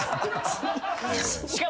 しかも。